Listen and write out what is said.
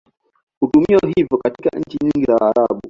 Hutumiwa hivyo katika nchi nyingi za Waarabu.